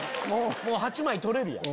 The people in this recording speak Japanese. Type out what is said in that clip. ８枚取れるやん。